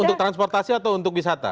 untuk transportasi atau untuk wisata